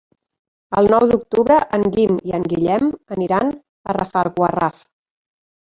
El nou d'octubre en Guim i en Guillem aniran a Rafelguaraf.